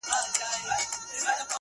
داسي نه كړو~